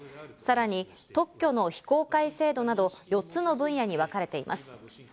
さらに特許の非公開制度など４つの分野に分かれています。